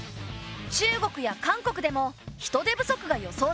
中国や韓国でも人手不足が予想されている。